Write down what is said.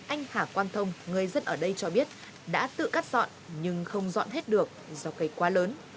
anh hà quang thông người dân ở đây cho biết đã tự cắt dọn nhưng không dọn hết được do cây quá lớn